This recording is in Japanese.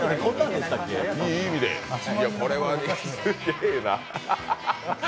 これはすげぇな。